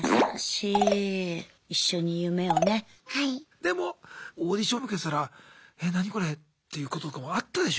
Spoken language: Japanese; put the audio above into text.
でもオーディション受けてたら「え何これ」っていうこととかもあったでしょ？